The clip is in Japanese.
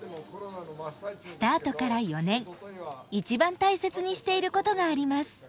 スタートから４年一番大切にしていることがあります。